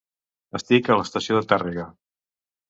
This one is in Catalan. Estic a la estació de Tàrrega.